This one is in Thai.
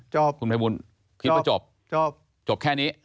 จบไหมคุณพระบุญคิดว่าจบจบจบแค่นี้